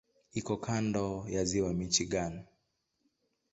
Iko kando ya Ziwa Michigan.